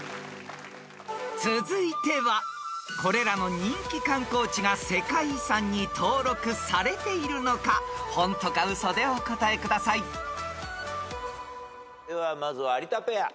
［続いてはこれらの人気観光地が世界遺産に登録されているのかホントかウソでお答えください］ではまず有田ペア。